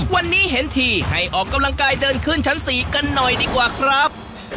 วันนี้เห็นทีให้ออกกำลังกายเดินขึ้นชั้น๔กันหน่อยดีกว่าครับ